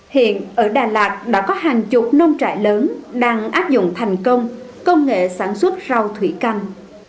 hiện ở đà lạt đã có hàng chục nông trại lớn đang áp dụng thành công công nghệ sản xuất rau thủy canh